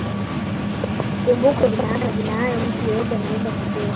Ikumbukwe kwamba majina hayo mtu yeyote anaweza kupewa